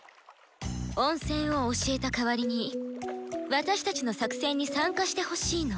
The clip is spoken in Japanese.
温泉を教えた代わりに私たちの作戦に参加してほしいの。